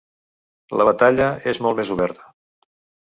La batalla és molt més oberta.